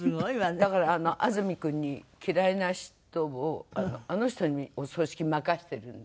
だから安住君に嫌いな人をあの人にお葬式任せてるんで。